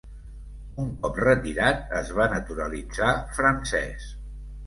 Un cop retirat, es va naturalitzar francès.